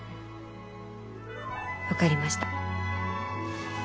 分かりました。